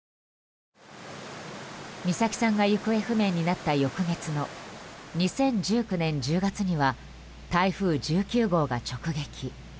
美咲さんが行方不明になった翌月の２０１９年１０月には台風１９号が直撃。